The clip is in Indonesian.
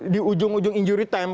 di ujung ujung injury time